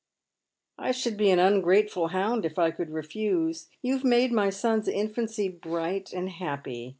" I should be an ungrateful hound if I could refuse. Yon have made ray son's infancy bright and happy.